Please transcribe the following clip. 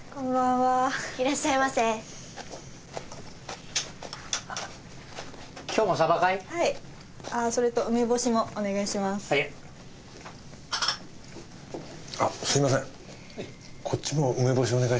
はい。